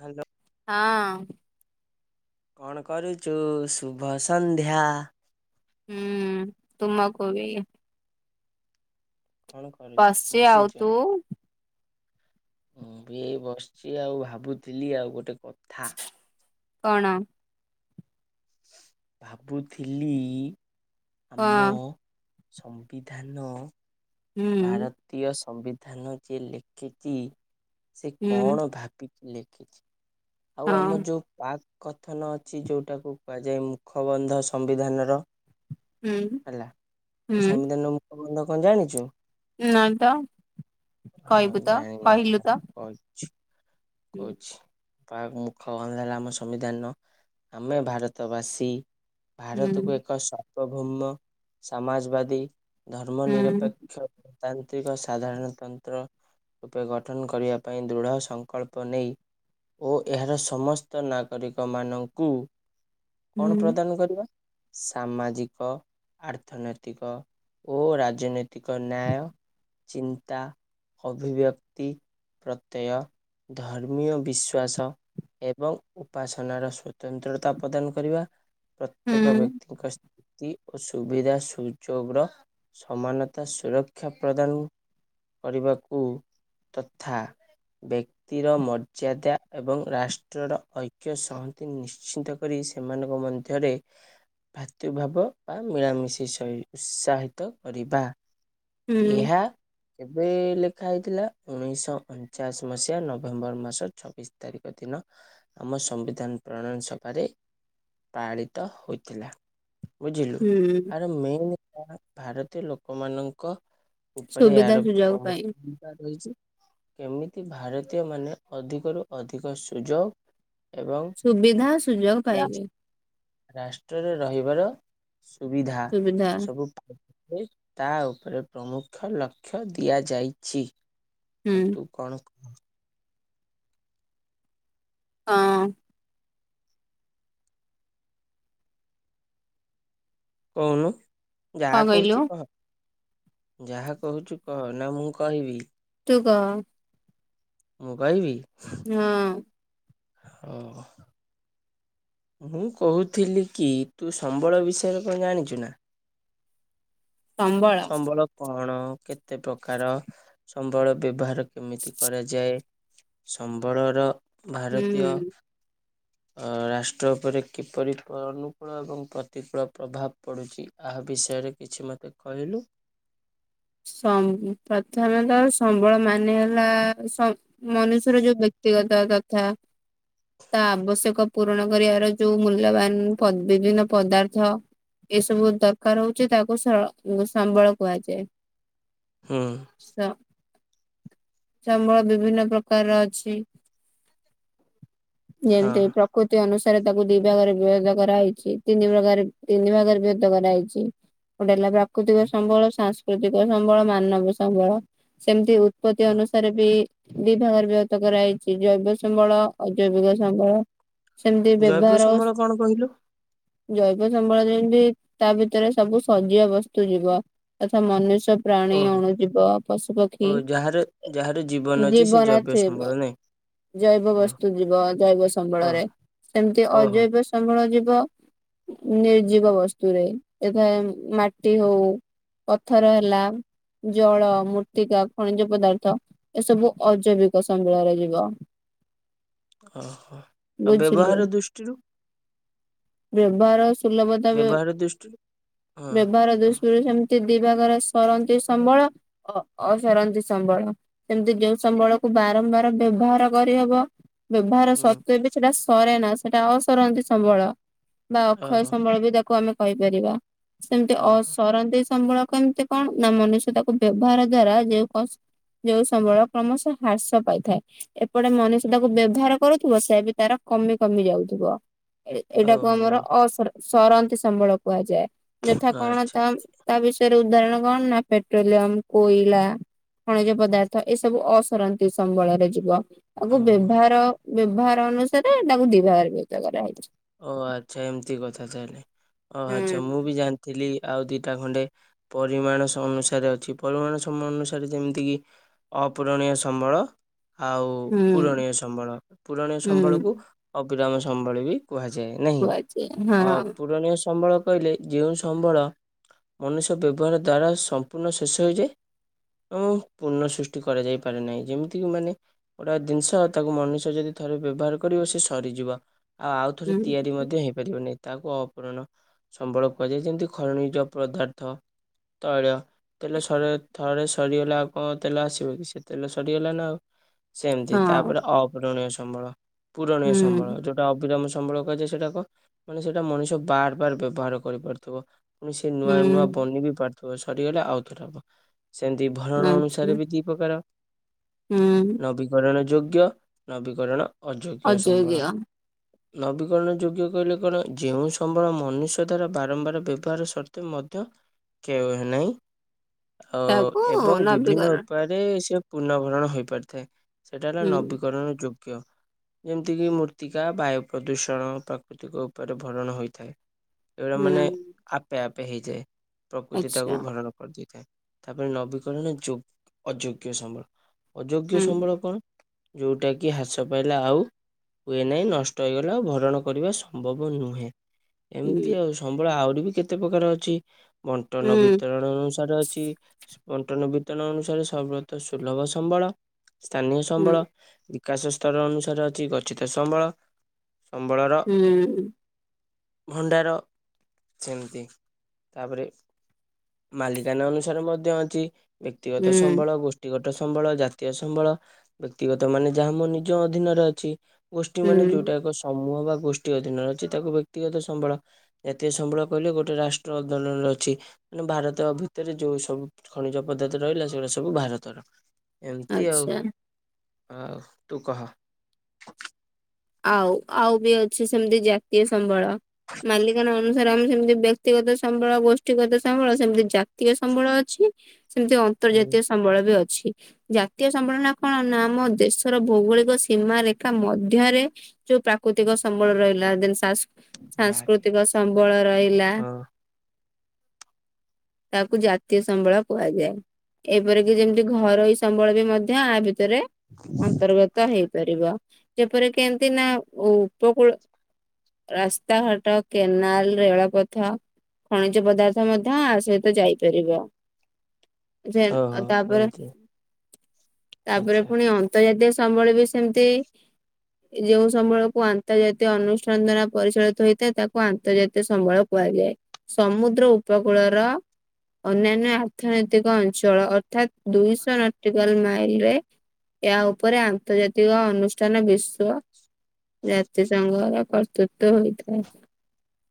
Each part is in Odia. ହାଲୋ ହଁ ଅଁ କଣ କରୁଛୁ? ଶୁଭ ସନ୍ଧ୍ୟା। ହୁଁ ତୁମ କୁ ବି। କଣ କରୁଛୁ? ପାସି ଆଉ ବସିଛୁ ତୁ? ମୁଁ ବି ଏଇ ବସିଛି ଆଉ, ଭାବୁଥିଲି ଆଉ ଗୋଟେ କଥା। କଣ? ଭାବୁଥିଲି ଆମ ହଁ ସମ୍ବିଧାନ ହୁଁ ଭାରତୀୟ ସମ୍ବିଧାନ ଯିଏ ଲେଖିଛି, ସେ ହୁଁ କଣ ଭାବି ଲେଖିଛି? ଆଉ ଆମ ହଁ ଯେଉ ପାକ୍ କଥନ ଅଛି, ଯଉଟାକୁ କୁହାଯାଏ ମୁଖବନ୍ଧ ସମ୍ବିଧାନର। ହୁଁ ହେଲା ଏ ସମ୍ବିଧାନର ମୁଖ ମଣ୍ଡ କଣ ଜାଣିଛୁ? ନା ତ, କହିବୁ ତ, କହିଲୁ ତ? ଅଛି ହୁଁ କହୁଛି ବାହା ମୁଖ ଗନ୍ଧ ହେଲା ଆମ ସମ୍ବିଧାନର ଆମେ ଭାରତବାସୀ। ହୁଁ ଭାରତକୁ ଏକ ସର୍ବଭୌମ ସମାଜବାଦୀ ଧର୍ମ ହୁଁ ନିରପେକ୍ଷ, ତାନ୍ତ୍ରିକ ସାଧାରଣତନ୍ତ୍ର। ରୂପେ ଗଠନ କରିବା ପାଇଁ, ଦୃଢ଼ ସଂକଳ୍ପ ନେଇ ଓ ଏହାର ସମସ୍ତ ନାଗରିକମାନଙ୍କୁ କୁ ହୁଁ କଣ ପ୍ରଦାନ କରିବା ସାମାଜିକ। ସାମାଜିକ ଓ ଆର୍ଥନୈତିକ ଓ ରାଜନୈତିକ ନ୍ୟାୟ ଚିନ୍ତା, ଅଭିବ୍ୟକ୍ତି, ପ୍ରତ୍ୟୟ ଧର୍ମୀୟ ବିଶ୍ୱାସ ଏବଂ ଉପାସନାର ସ୍ୱତନ୍ତ୍ରତା ପ୍ରଦାନ କରିବା ପ୍ରତ୍ୟେକ ହୁଁ ବ୍ୟକ୍ତିଙ୍କ ଉଁ ସୁବିଧା ସୁଯୋଗର ସମାନତା ସୁରକ୍ଷା ପ୍ରଦାନ। କରିବାକୁ ତଥା ବ୍ୟକ୍ ସ୍ଥିର ମର୍ଯ୍ୟାଦା ଏବଂ ରାଷ୍ଟ୍ରର ଐକ୍ୟ ସଂହତି ନିଶ୍ଚିତ। କରି, ସେମାନଙ୍କ ମଧ୍ୟରେ ମୃତ୍ୟୁ ଭାବ ବା ମିଳାମିଶି ଶହୀ ଉତ୍ସାହିତ କରିବା। ହୁଁ ଏହା ଏବେ ଲେଖା ହେଇଥିଲା ଉଣେଇଶହ ଅଣଚାଶ ମସିହା ନଭେମ୍ବର ମାସ ଛବିଶ ତାରିଖ ଦିନ। ଆମ ସମ୍ବିଧାନ ପ୍ରଣୟନ ସଭାରେ ପାଳିତ ହୋଇଥିଲା। ବୁଝିଲୁ, ହୁଁ ଆରେ ମେନ ଭାରତୀୟ ଲୋକମାନଙ୍କ ଉପରେ ସୁବିଧା ଆର ସୁଯୋଗ କମ ପାଇଁ ରହିଛି, କେମିତି ଭାରତୀୟ ମାନେ ଅଧିକରୁୁ ଅଧିକ ସୁଯୋଗ ଏବଂ ସୁବିଧା ସୁଯୋଗ ରାଷ୍ଟ୍ର ପାଇବେ। ରାଷ୍ଟ୍ରରେ ରହିବାର ସୁବିଧା ସୁବିଧା ସବୁ ପାଇପାରିବେ, ତା ଉପରେ ପ୍ରମୁଖ ଲକ୍ଷ୍ୟ ଦିଆଯାଇଛି। ହୁଁ ତୁ କଣ? ହଁ ଅଁ କହୁନୁ କଣ ଯାହା କହିଲୁ କହୁଛୁ କହ। ଯାହା କହୁଛୁ କହ। ନା ମୁଁ କହିବି? ତୁ କହ। ମୁଁ କହିବି। [unintelligible] ହଉ। ମୁଁ କହୁଥିଲି କି ତୁ ସମ୍ବଳ ବିଷୟରେ କଣ ଜାଣିଛୁ ନା? ସମ୍ବଳ କଣ କେତେ ପ୍ରକାର ସମ୍ବଳ ବ୍ୟବହାର? କେମିତି କରାଯାଏ ସମ୍ବଳର ଭାରତୀୟ? ହୁଁ ଅ ରାଷ ଟ୍ର ଉପରେ କିପରି ପ ଅନୁକୂଳ ଏବଂ ପ୍ରତିକୂଳ ପ୍ରଭାବ ପଡ଼ୁଛି ଆହା ବିଷୟରେ କିଛି ମୋତେ। କହିଲୁ। ସମ ପ୍ରଥମେ ତ ସମ୍ବଳ ମାନେ ହେଲା ସ ମନୁଷ୍ୟର ଯୋଉ ବ୍ୟକ୍ତିଗତ ଯଥା। ତା ଆବଶ୍ୟକ ପୂରଣ କରିବାର ଯୋଉ ମୂଲ୍ୟବାନ ପ ବିଭିନ୍ନ ପଦାର୍ଥ। ଏ ସବୁ ଦରକାର ହଉଛି ତାକୁ ସ ଉଁ ସମ୍ବଳ କୁହାଯାଏ। ହୁଁ। ସ ସମ୍ବଳ ବିଭିନ୍ନ ପ୍ରକାରର ଅଛି। ହଁ ଜେମିତି ପ୍ର କୃତି ଅନୁସାରେ ତାକୁ ଦି ଭାଗରେ ବିଭକ୍ତ କରାହେଇଛି ତିନି ପ୍ରକାରେ ତିନି ଭାଗରେ ବିଭକ୍ତ କରାହେଇଛି। ଗୋଟେ ହେଲା ପ୍ରାକୃତିକ ସମ୍ବଳ, ସାଂସ୍କୃତିକ ସମ୍ବଳ, ମାନବ ସମ୍ବଳ ସେମିତି ଉ ଉତ୍ପତି ଅନୁସାରେ ବି। ଦି ଭାଗରେ ବିଭକ୍ତ କରାହେଇଛି ଜୈବ ସମ୍ବଳ ଅଜୈବିକ ସମ୍ବଳ। ସେମିତି ଜୈବ ବ୍ୟବହାର। ସମ୍ବଳ କଣ କହିଲୁ ଜୈବ ସମ୍ବଳ ଯେମିତି ତା ଭିତରେ ସବୁ ସଜିବ ବସ୍ତୁ ଯିବ। ତଥା ମନୁଷ୍ୟ। ପ୍ରାଣୀ, ଓହୋ ଅଣୁଜୀବ, ଓ ପଶୁପକ୍ଷୀ ଯାହାର ଯାହାର ଜୀବନ ଅଛି ସେ ଜୀବନ ଜୈବ ସମ୍ବଳ ଥିବ। ନାଇଁ ଜୈବ ଓ ବସ୍ତୁ ଯିବ ଜୈବ ଓ ସମ୍ବଳରେ ସେମିତି ଓହୋ ଅଜୈବ ସମ୍ବଳ ଯିବ ଉଁ ନିର୍ଜୀବ ବସ୍ତୁରେ ଏଥା ଉଁ ମାଟି ହଉ। ପଥର ହେଲା। ଜଳ, ମୂର୍ତ୍ତିକା, ଖଣିଜ ପଦାର୍ଥ ଏସବୁ ଅଜୈବିକ ସମ୍ବଳରେ ଯିବ। ଓହୋ। ଆଉ ବୁଝିଲୁ ବ୍ୟବହାର ଦୃଷ୍ଟିରୁ? ବ୍ୟବହାର ସୁଲଭତା ବ ବ୍ୟବହାର ଦୃଷ୍ଟିରୁ ହଁ ବ୍ୟବହାର ହ ଦୃଷ୍ଟିରୁ ସେମ ତି ଦି ଭାଗରେ ସରନ୍ତି ସମ୍ବଳ ଅ-ଅସରନ୍ତି ସମ୍ବଳ। ସେମିତି ଯେଉଁ ସମ୍ବଳକୁ ବାରମ୍ବାର ବ୍ୟବହାର କରିହବ। ବ୍ୟବହାର ହୁଁ ସତ୍ୱେ ବି ସେଟା ସରେ ନା ସେଟା ଅସରନ୍ତି ସମ୍ବଳ। ବା ଅକ୍ଷୟ ଓହୋ ସମ୍ବଳ ବି ତାକୁ ଆମେ କହିପାରିବା ସେମିତି ଓହୋ ଅସରନ୍ତି। ସମ୍ବଳ କେମିତି କଣ ନା ମନୁଷ୍ୟ ତାକୁ ବ୍ୟବହାର ଦ୍ଵାରା ଯେଉ କସ ଯଉ ସମ୍ବଳ କ୍ରମଶଃ ହ୍ରାସ ପାଇଥାଏ। ଏପଟେ ମନୁଷ୍ୟ ତାକୁ ବ୍ୟବହାର କରୁଥିବ ସେ ବି ତାର କମି କମି ଯାଉଥିବ। ଏ-ଏଇଟାକୁ ଆମର ଓହୋ ଅସର ସରନ୍ତି ସମ୍ବଳ କୁହାଯାଏ ଯଥା କଣ ଆଚ୍ଛା ତା ତା ବିଷୟରେ ଉଦାହରଣ କଣ ନା ପେଟ୍ରୋଲିୟମ, କୋଇଲା। ଖଣିଜ ପଦାର୍ଥ ଏସବୁ ଅସରନ୍ତି ସମ୍ବଳରେ ଯିବ। ତାକୁ ଓହୋ ବ୍ୟବହାର ବ୍ୟବହାର ଅନୁସାରେ ତାକୁ ଦି ଭାଗ ରେ ବିଭକ୍ତ କରାହେଇଛି। ଓ ଆଚ୍ଛା ଏମିତି କଥା ତାହେଲେ ଓ ଆଚ୍ଛା ହୁଁ। ମୁଁ ବି ଜାଣିଥିଲି ଆଉ ଦିଟା ଖଣ୍ଡେ। ପରିମାଣ ସ ଅନୁସାରେ ଅଛି ପରିମାଣ ସମୟ ଅନୁସାରେ ଯେମିତି କିି। ଅପୂରଣୀୟ ସମ୍ବଳ। ଆଉ ପୁରଣୀୟ ସମ୍ବଳ ପୁରଣୀୟ ସମ୍ବଳକୁ ଅବିରାମ ସମ୍ବଳ ବି। କୁହାଯାଏ ନାହିଁ ଅପୂରଣୀୟ ସମ୍ବଳ। କହିଲେ ଯେଉଁ ସମ୍ବଳ ମନୁଷ୍ୟ ବ୍ୟବହାର ଦ୍ଵାରା ସମ୍ପୂର୍ଣ୍ଣ ଶେଷ ହୋଇଯାଏ। ତ ପୂନଃ ସୃଷ୍ଟି କରାଯାଇ ପାରି ନାହିଁ ଯେମିତିକି ମାନେ ଗୋଟା ଜିନିଷ ତାକୁ ମନୁଷ୍ୟ ଯଦି ଥରେ ବ୍ୟବହାର କରିବ ସେ ସରିଯିବ ଆଉ ଆଉ ଥରେ ତିଆରି ମଧ୍ୟ ହେ ପାରିବନି ତାହାକୁ ଅପୂରଣ ସମ୍ବଳ କୁହାଯାଏ ଯେମିତି ଖଣିଜ ପଦାର୍ଥ ତୈଳ। ତେଲ ସରି ଥରେ ସରିଗଲେ ଆଉ କଣ ତେଲ ଆସିବ କି ସେ ତେଲ ସରିଗଲା ନା ଆଉ। ସେମ୍ ତି ତାପରେ ଅପୂରଣୀୟ ସମ୍ବଳ ପୂରଣୀୟ ସମ୍ବଳ ଯୋଉଟା ଅବିରାମ ସ ସମ୍ବଳ କୁହାଯାଏ ସେଟାକ ମାନେ ସେଇଟା ମଣିଷ ବାର ବାର ବ୍ୟବହାର କରିପାରୁଥିବ। ପୁଣି ସେ ନୂଆ ନୂଆ ବନି ବି ପାରୁଥିବ ସରିଗଲେ ଆଉ ଥର ହବ ସେମିତି ଭରଣ ଅନୁସାରେ ବି ଦି ପ୍ରକାର ନବୀକରଣ ଯୋଗ୍ୟ ନବୀକରଣ ଅଯୋଗ୍ୟ ସମ୍ବଳ। ନବୀକରଣ ଯୋଗ୍ୟ କହିଲେ କଣ ଯେଉଁ ସମ୍ବଳ ମନୁଷ୍ୟ ଦ୍ୱାରା ବାରମ୍ବାର ବ୍ୟବହାର ସତ୍ତ୍ୱେ ମଧ୍ୟ କ୍ଷେୟ ହୁଏ ନାହିଁ ଅ ଏବଂ ବିଭିନ୍ନ ଉପାୟ ସେ ପୂର୍ଣ୍ଣଭରଣ ହୋଇପାରିଥାଏ ସେଇଟା ହେଲା ନବୀକରଣ ଯୋ ଗ୍ୟ ଯେମିତି କିି ମୂର୍ତ୍ତିକା ବାୟୁ ପ୍ରଦୂଷଣ ପ୍ରାକୃତିକ ଉପରେ ଭରଣ ହୋଇଥାଏ ଏଗୁଡ଼ା ମାନେ ଆପେ ଆପେ ହେଇଯାଏ ପ୍ରକୃତି ତାକୁ ଭରଣ କରିଦେଇଥାଏ। ତାପରେ ନବୀକରଣ ଯୋଗ୍ ଅଯୋଗ୍ୟ ସମ୍ବଳ ଅଯୋଗ୍ୟ ସମ୍ବଳ କଣ? ଯୋଉଟା କି ହ୍ରାସ ପାଇଲେ ଆଉ ହୁଏ ନାହିଁ ନଷ୍ ଟ ହେଇଗଲେ ଆଉ ଭରଣ କରିବା ସମ୍ଭବ ନୁହେଁ ଏମିତି ଆଉ ସ୍ ସମ୍ବଳ ଆହୁରି ବି କେତେ ପ୍ରକାର ଅଛି ବଣ୍ଟନ ବିତରଣ ଅନୁସାରେ ଅଛି। ବଣ୍ଟନ ବିତରଣ ଅନୁସାରେ ସର୍ବତ ସୁଲଭ ସମ୍ବଳ, ସ୍ଥାନୀୟ ସମ୍ବଳ। ବିକାଶ ସ୍ତର ଅନୁସାରେ ଅଛି ଗଛିତ ସମ୍ବଳ ସମ୍ବଳର ଭଣ୍ଡାର ସେମିତି ତାପରେ ମାଲିକାନା ଅନୁସାରେ ମଧ୍ୟ ଅଛି ବ୍ୟକ୍ତିଗତ ସମ୍ବଳ ଗୋଷ୍ ଟିଗତ ସମ୍ବଳ ଜାତୀୟ ସମ୍ବଳ ବ୍ୟକ୍ତିଗତ ମାନେ ଯାହା ମୋ ନିଜ ଅଧୀନରେ ଅଛି। ଗୋଷ୍ଠୀ ମାନେ ଯୋଉଟା ଏକ ସମୂହ ବା ଗୋଷ୍ଠୀ ଅଧୀନରେ ଅଛି ତାକୁ ବ୍ୟକ୍ତିଗତ ସମ୍ବଳ। ଜାତୀୟ ସମ୍ବଳ କହିଲେ ଗୋଟେ ରାଷ୍ଟ୍ର ଅଧିନରେ ଅଛି। ମାନେ ଭାରତ ଭିତରେ ଯୋଉ ସବୁ ଖଣିଜ ପଦାର୍ଥ ରହିଲା ସେଗୁଡ଼ା ସବୁ ଭାରତର। ଏମତି ଆଉ ଆଉ ତୁ କହ। ଆଉ ଆଉ ବି ଅଛି ସେମିତି ଜାତୀୟ ସମ୍ବଳ ମାଲିକାନା ଅନୁ ସାରେ ଆମର ସେମିତି ବ୍ୟକ୍ତିଗତ ସମ୍ବଳ ଗୋଷ୍ଠୀଗତ ସମ୍ବଳ ସେମିତି ଜାତୀୟ ସମ୍ବଳ ଅଛି। ସେମିତି ହୁଁ ଅନ୍ତର୍ଜାତୀୟ ସମ୍ବଳ ବି ଅଛି। ଜାତୀୟ ସମ୍ବଳନା କଣ ନା ଆମ ଦେଶର ଭୌଗୋଳିକ ସୀମା ରେଖା ମଧ୍ୟରେ ଯୋଉ ପ୍ରାକୃତିକ ସମ୍ବଳ ରହିଲା ଦେନ୍ ସା ସୁ ବ୍ୟାଗ ସାଂସ୍କୃତିକ ସମ୍ବଳ ରହିଲା। ହଁ ତାକୁ ଜାତୀୟ ସମ୍ବଳ କୁହାଯାଏ। ଏପରିକିି ଯେମିତି ଘରୋଇ ସମ୍ବଳ ବି ମଧ୍ୟ ଆ ଭିତରେ ଅନ୍ତର୍ଗତ ହେଇପାରିବ ଯେପରିକି ଏମିତି ନା ଉପକୂଳ ରାସ୍ତାଘାଟ, କେନାଲ, ରେଳପଥ। ଖଣିଜ ପଦାର୍ଥ ମଧ୍ୟ ଆ ସହିତ ଯାଇପାରିବ। ଯେନ୍ ଅ ଓହୋ ଆଉ ତାପରେ ଏମିତି ତାପରେ ଆଚ୍ଛା ପୁଣି ଅଁ ତର୍ ଜାତୀୟ ସମ୍ବଳ ବି ସେମିତି ଯୋଉଁ ସମ୍ବଳକୁ ଆନ୍ତର୍ଜାତୀୟ ଅନୁଷ୍ଠାନ ଦ୍ଵାରା ପରିଚାଳିତ ହେଇଥାଏ ତାକୁ ଆନ୍ତର୍ଜାତୀୟ ସମ୍ବଳ କୁହାଯାଏ। ସମୁଦ୍ର ଉପକୂଳର ଅନ୍ୟାନ୍ୟ ଆର୍ଥନୈତିକ ଅଞ୍ଚଳ ଅର୍ଥାତ୍ ଦୁଇଶହ ନଟିକାଲ ମାଇଲରେ ଏହା ଉପରେ ଆନ୍ତର୍ଜାତିକ ଅନୁଷ୍ଠାନ ବିଷ୍ ଶ୍ଵ ଜାତି ସଂଘର କର୍ତ୍ତୃତ୍ୟ ହୋଇଥାଏ।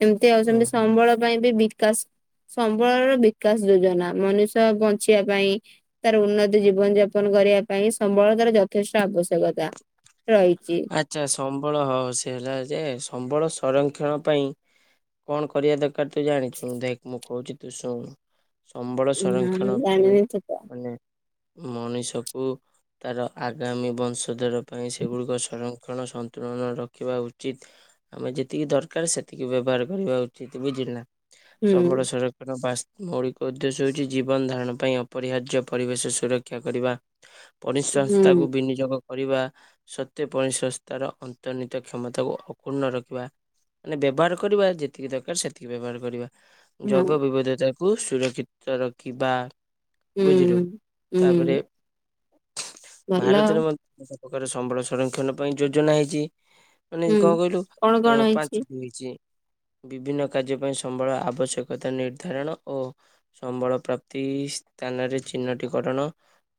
ଏମତି ଆଛନ୍ତି ଓହୋ ସମ୍ବଳ ପାଇଁ ବି ବିକାଶ ସମ୍ବଳର ବିକାଶ ଯୋଜନା ମନୁଷ୍ୟ ବଞ୍ଚିବା ପାଇଁ। ତାର ଉନ୍ନତି ଜୀବନ ଯାପନ କରିବା ପାଇଁ ସମ୍ବଳତାର ଯଥେଷ୍ଟ ଆବଶ୍ୟକତା ରହିଛି। ଆଚ୍ଛା। ଆଚ୍ଛା ସମ୍ବଳ ହଉ ସେ ହେଲା ଯେ ସମ୍ବଳ ସଂରକ୍ଷଣ ପାଇଁ କଣ କରିବା ଦର କାର ତୁ ଜାଣିଛୁ ଦେକ ମୁ କହୁଛି ତୁ ଶୁଣ। ସମ୍ବଳ ହୁଁ ସଂରକ୍ଷଣ ପାଇଁ ଜାଣିନି ତ ତ ମାନେ ମଣିଷକୁ ତାର ଆଗାମୀ ବଂଶଧର ପାଇଁ ସେଗୁଡ଼ିକ ସଂରକ୍ଷଣ ସନ୍ତୁଳନ ରଖିବା ଉଚିତ। ଆମେ ଯେତିକି ଦରକାର ସେତିକି ବ୍ୟବହାର କରିବା ଉଚିତ ବୁଝିଲ ନା ହୁଁ ସମ୍ବଳ ସର ବାସ୍, ମୌଳିକ ଉଦ୍ଦେଶ୍ୟ ହେଉଛି ଜୀବନ ଧାରଣ ପାଇଁ ଅପରିହାର୍ଯ୍ୟ ପରିବେଶ ସୁରକ୍ଷା କରିବା ହୁଁ ପରିସଂସ୍ଥାକୁ ବିନିଯୋଗ କରିବା ସ ତେ ପରିସଂସ୍ଥାର ଅନ୍ତର୍ନୀହିତ କ୍ଷମତାକୁ ଅକ୍ଷୁର୍ଣ୍ଣ ରଖିବା ମାନେ ବ୍ୟବହାର କରିବା, ଯେତିକି ଦରକାର ସେତିକି ବ୍ୟବହାର କରିବା ହଁ ଜୈବ ବିବିଧତାକୁ ସୁରକ୍ଷିତ ରଖିବା ବୁଝିଲୁ, ହୁଁ। ହୁଁ ତାପରେ ଭଲ ଭାରତରେ ମ---ପ୍ରକାର ସମ୍ବଳ ସଂରକ୍ଷଣ ପାଇଁ ଯୋଜନା ହେଇଛି ମାନେ ହୁଁ କଣ କହିଲୁ, କଣ କଣ ହେଇଛି ପାଞ୍ଚ ଦ ଇଚି ବିଭିନ୍ନ କାର୍ଯ୍ୟ ପାଇଁ ସମ୍ବଳ ଆବଶ୍ୟକତା ନିର୍ଦ୍ଧାରଣ ଓ ସମ୍ବଳ ପ୍ରାପ୍ତି--ସ୍ଥାନରେ ଚିହ୍ନଟିକରଣ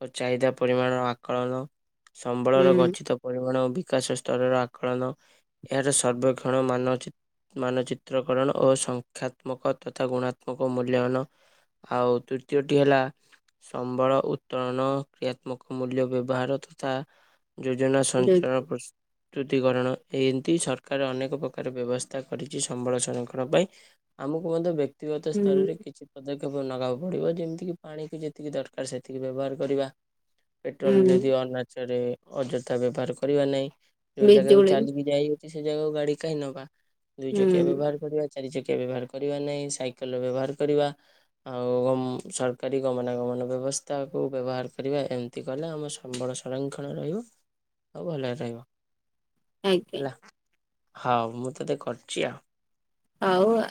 ଓ ଚାହିଦା ପରିମାଣର ଆକଳନ, ସମ୍ବଳର ହୁଁ। ଗଛିତ ପରିମାଣ ଓ ବିକାଶ ସ୍ତରର ଆକଳନ, ଏହାର ସର୍ବକ୍ଷଣ ମାନଚିତ ମାନଚିତ୍ରକରଣ ଓ ସଂଖ୍ୟାତ୍ମକ ତଥା ଗୁଣାତ୍ମକ ମୂଲ୍ୟାୟନ। ଆଉ ତୃତୀୟଟି ହେଲା ସମ୍ବଳ ଉତ୍ତୋଳନ, କ୍ରିୟାତ୍ମକ ମୂଲ୍ୟ ବ୍ୟବହାର ତଥା ଯୋଜନା ଯୋ ଅଞ୍ଚଳ ପସ୍ ଦ୍ରୁତିକରଣ, ଏମିତି ସରକାର ଅନେକ ପ୍ରକାର ବ୍ୟବସ୍ଥା କରିଛି ସମ୍ବଳ ସଂରକ୍ଷଣ ପାଇଁ ଆମକୁ ମଧ୍ୟ ବ୍ୟକ୍ତିଗତ ହୁଁ ସ୍ତରରେ କିଛି ପଦକ୍ଷେପ ନବାକୁ ପଡ଼ିବ, ଯେମିତିକି ପାଣିକି ଯେତିକି ଦରକାର ସେତିକି ବ୍ୟବହାର କରିବା। ପେଟ୍ରୋଲ ହୁଁ ଯଦି ଅନାଚରେ, ଅଯଥା ବ୍ୟବହାର କରିବା ନାହିଁ। ଯୋଉ ଜାଗାକୁ ବିଜୁଳି ଚାଲିକି ଯାଇ ସେ ଜାଗାକୁ ଗାଡି କାଇଁ ନବା, ଦୁଇ ଚକିଆ ହୁଁ ବ୍ୟବହାର କରିବା ଚାରି ଚକିଆ ବ୍ୟବହାର କରିବା, ନାଇଁ ସାଇକେଲ ବ୍ୟବହାର କରିବା। ଆଉ--ଅମ୍ ସରକାରୀ ଗମନାଗମନ ବ୍ୟବସ୍ଥାକୁ ବ୍ୟବହାର କରିବା। ଏମ ଏତିକି କଲେ ଆମ ସମ୍ବଳ ସଂରକ୍ଷଣ ରହିବ। ହଉ ଭଲରେ ରହିବ, ଆଜ୍ଞା ହେଲା, ହଉ ମୁଁ ତତେ କରୁଛି ଆଉ। ଆଉଆ।